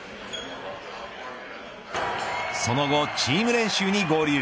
その後チーム練習に合流。